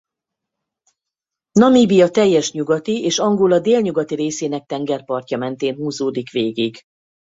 Namíbia teljes nyugati és Angola délnyugati részének tengerpartja mentén húzódik végig.